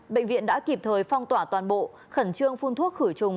bệnh viện đã kịp thời phong tỏa toàn bộ khẩn trương phun thuốc khử trùng